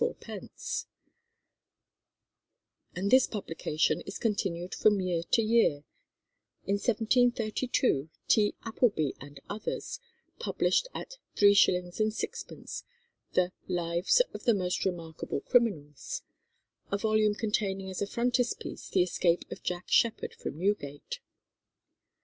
_," and this publication is continued from year to year. In 1732 "T. Applebee and others" published at 3_s._ 6_d._ the "Lives of the Most Remarkable Criminals," a volume containing as a frontispiece the escape of Jack Sheppard from Newgate.